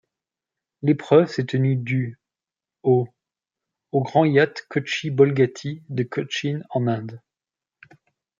L'épreuve s'est tenue du au au Grand Hyatt Kochi Bolgatty de Cochin, en Inde.